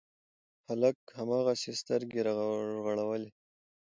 هلک هماغسې سترګې رغړولې.